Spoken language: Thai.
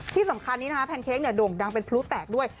ที่สำคัญนี้นะคะแพนเค้กโด่งดังเป็นพลุแตกด้วย